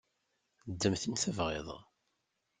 Ddem tin tebɣiḍ.